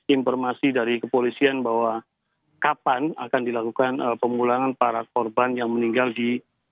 informasi dari kepolisian bahwa kapan akan dilakukan pemulangan para korban yang meninggal di